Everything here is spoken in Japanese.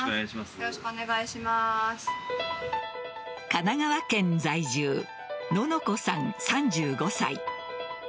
神奈川県在住ののこさん、３５歳。